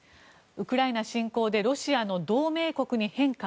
ウクライナ侵攻でロシアの同盟国に変化。